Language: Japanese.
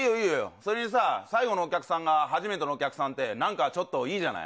それでさ、最後のお客さんがさ、初めてのお客さんって、なんかちょっといいじゃない。